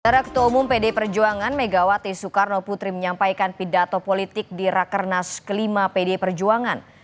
era ketua umum pd perjuangan megawati soekarno putri menyampaikan pidato politik di rakernas kelima pdi perjuangan